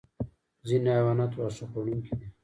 ځینې حیوانات واښه خوړونکي دي